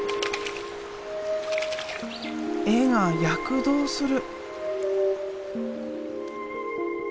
絵が躍動する。